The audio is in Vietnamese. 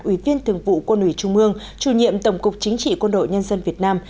ủy viên thường vụ quân ủy trung mương chủ nhiệm tổng cục chính trị quân đội nhân dân việt nam